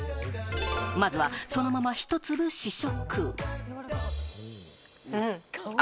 まずは、そのまま１粒試食。